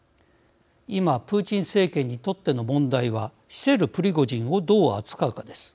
今、プーチン政権にとっての問題は死せるプリゴジンをどう扱うかです。